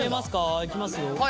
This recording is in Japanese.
いきますよ。